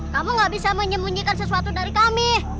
kamu gak bisa menyembunyikan sesuatu dari kami